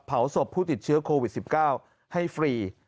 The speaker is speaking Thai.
เผาศพผู้ติดเชื้อโควิด๑๙ให้ฟรี